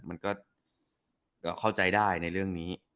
มันก็เข้าใจได้ในเรื่องนี้